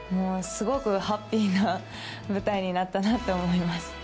すごくハッピーな舞台になったなと思います。